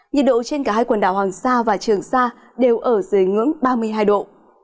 nhiệt độ trên cả hai quần đảo hoàng sa và trường sa đều ở dưới ngưỡng ba mươi hai độ